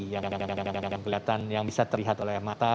yang kelihatan yang bisa terlihat oleh mata